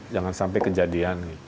jangan sampai kejadian